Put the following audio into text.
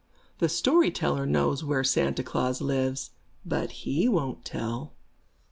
The story teller knows where Santa Klaas lives, but he won't tell.